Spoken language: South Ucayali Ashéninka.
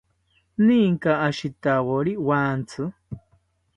¿Ninka ashitawori wantsi?